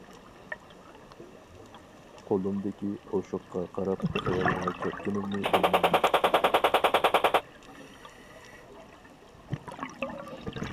قولۇمدىكى ئوشۇققا قاراپ خىيالغا كەتكىنىمنى بىلمەيمەن.